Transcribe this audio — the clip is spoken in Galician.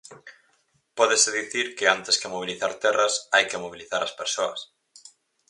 Pódese dicir que antes que mobilizar terras, hai que mobilizar ás persoas.